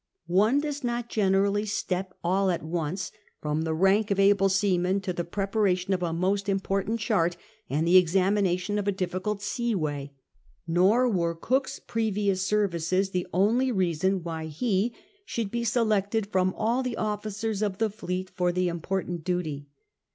One does not generally step all at once from the rank of able seaman to the pre paration of a most important chart and the examination of a difficult sea way. Nor were Cook's previous services the only reason why he should be selected from all the officers of the fleet for the important duty.